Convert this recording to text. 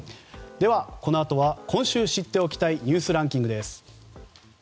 では、このあとは今週知っておきたいニュースランキングです。